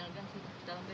seperti apa mas